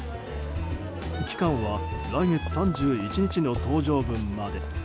期間は来月３１日の搭乗分まで。